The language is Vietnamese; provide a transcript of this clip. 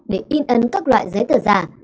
để in ấn các loại giấy tờ giả